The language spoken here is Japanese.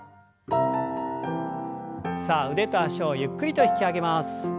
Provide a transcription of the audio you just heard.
さあ腕と脚をゆっくりと引き上げます。